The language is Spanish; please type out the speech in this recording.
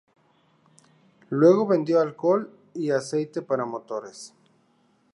Luego, vendió alcohol y aceite para motores.